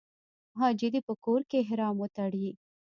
حاجي دې په کور کې احرام وتړي.